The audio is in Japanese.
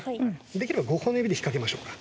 できれば５本の指で引っ掛けましょうか。